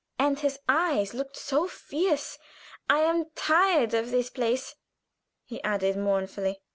and his eyes looked so fierce. I'm tired of this place," he added, mournfully.